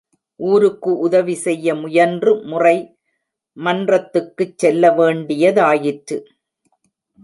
ஊருக்கு உதவி செய்ய முயன்று முறை மன்றத்துக்குச் செல்ல வேண்டியதாயிற்று.